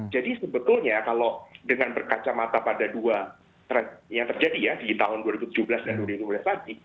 jadi sebetulnya kalau dengan berkacamata pada dua trend yang terjadi ya di tahun dua ribu tujuh belas dan dua ribu lima belas tadi